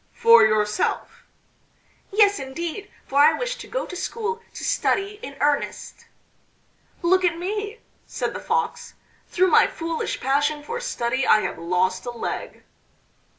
"For yourself?" "Yes, indeed, for I wish to go to school to study in earnest." "Look at me!" said the Fox. "Through my foolish passion for study I have lost a leg."